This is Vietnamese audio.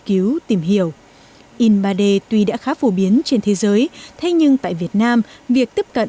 cứu tìm hiểu in ba d tuy đã khá phổ biến trên thế giới thế nhưng tại việt nam việc tiếp cận